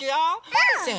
うん！